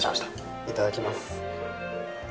いただきます。